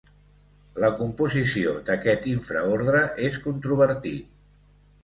La composició d'aquest infraordre és controvertit.